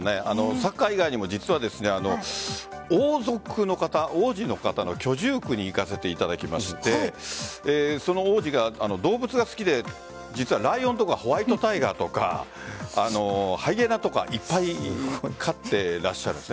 サッカー以外にも実は王族の方、王子の方の居住区に行かせていただきましてその王子が動物が好きで実はライオンとかホワイトタイガーとかハイエナとかいっぱい飼っていらっしゃったんです。